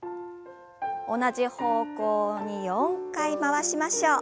同じ方向に４回回しましょう。